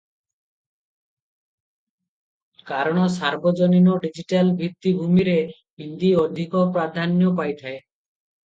କାରଣ ସାର୍ବଜନୀନ ଡିଜିଟାଲ ଭିତ୍ତିଭୂମିରେ ହିନ୍ଦୀ ଅଧିକ ପ୍ରାଧାନ୍ୟ ପାଇଥାଏ ।